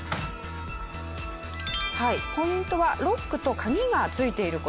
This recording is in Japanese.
はいポイントはロックと鍵が付いている事。